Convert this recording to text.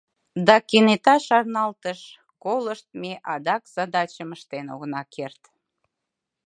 — Да кенета шарналтыш: — Колышт, ме адак задачым ыштен огына керт.